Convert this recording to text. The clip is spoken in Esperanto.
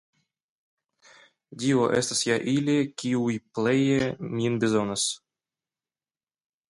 Dio, estas ja ili, kiuj pleje min bezonas.